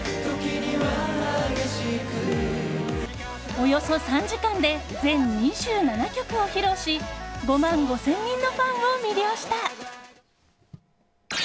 およそ３時間で全２７曲を披露し５万５０００人のファンを魅了した。